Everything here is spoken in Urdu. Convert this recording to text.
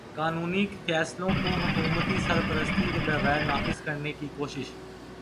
قانونی فیصلوں کو حکومتی سرپرستی کے بغیر نافذ کرنے کی کوشش